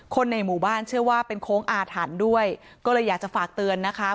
ในหมู่บ้านเชื่อว่าเป็นโค้งอาถรรพ์ด้วยก็เลยอยากจะฝากเตือนนะคะ